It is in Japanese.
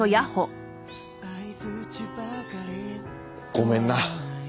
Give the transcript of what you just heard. ごめんな。